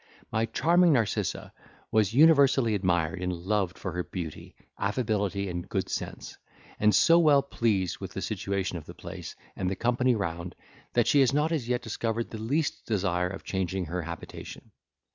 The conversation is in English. My charming Narcissa was universally admired and loved for her beauty, affability, and good sense; and so well pleased with the situation of the place, and the company round, that she has not as yet discovered the least desire of changing her habitation.